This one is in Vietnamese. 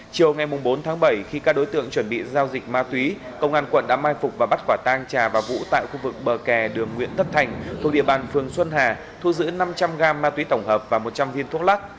chiều ngày bốn tháng bảy khi các đối tượng chuẩn bị giao dịch ma túy công an quận đã mai phục và bắt quả tang trà và vũ tại khu vực bờ kè đường nguyễn tất thành thuộc địa bàn phường xuân hà thu giữ năm trăm linh g ma túy tổng hợp và một trăm linh viên thuốc lắc